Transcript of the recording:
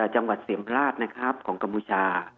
จังหวัดเสียงราชนะครับของกัมพูชา